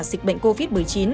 dịch bệnh covid một mươi chín